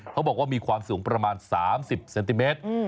เขาบอกว่ามีความสูงประมาณ๓๐เซนติเมตร